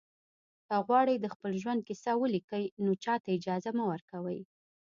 که غواړئ د خپل ژوند کیسه ولیکئ نو چاته اجازه مه ورکوئ.